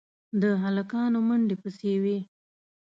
د هلکانو منډې پسې وې.